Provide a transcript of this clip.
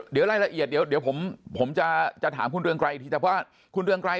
เดี๋ยวรายละเอียดเดี๋ยวผมจะถามคุณเรืองไกรอีกที